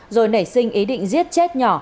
rồi nảy sinh ý định giết chết nhỏ